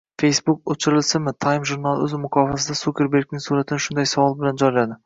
Facebook o‘chirilsinmi? Time jurnali o‘z muqovasiga Sukerbergning suratini shunday savol bilan joyladi